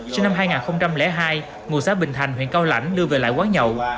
công an huyện cao lãnh thơm sinh năm hai nghìn hai ngụ xã bình thành huyện cao lãnh đưa về lại quán nhậu